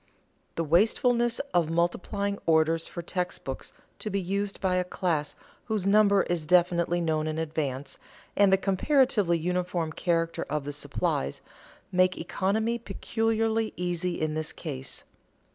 The wastefulness of multiplying orders for text books to be used by a class whose number is definitely known in advance, and the comparatively uniform character of the supplies, make economy peculiarly easy in this case.